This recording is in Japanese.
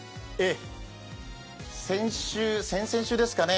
先週、先々週ですかね